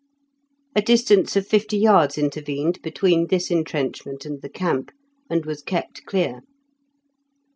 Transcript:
A distance of fifty yards intervened between this entrenchment and the camp, and was kept clear.